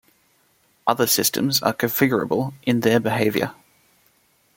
Other systems are configurable in their behavior.